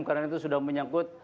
karena itu sudah menyangkut